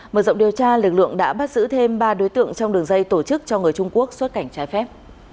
mở rộng điều tra lực lượng đã bắt giữ thêm ba đối tượng trong đường dây tổ chức cho người trung quốc xuất cảnh trái phép